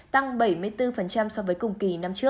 tăng bảy mươi bốn so với cùng kỳ